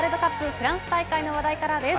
フランス大会の話題からです。